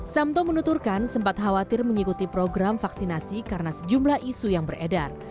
samto menuturkan sempat khawatir mengikuti program vaksinasi karena sejumlah isu yang beredar